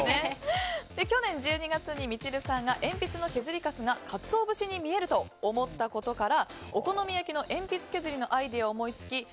去年１２月にミチルさんが鉛筆の削りカスがカツオ節に見えると思ったことからお好み焼きの鉛筆削りのアイデアを思いつき